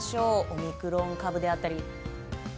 オミクロン株だったり。